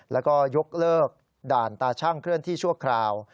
แล้วก็ยกเลิกด่านตาชั่งเคลื่อนที่ชั่วคราว